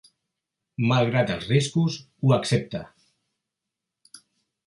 Malgrat els riscos, ho accepta.